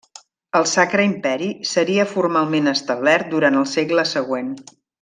El Sacre Imperi seria formalment establert durant el segle següent.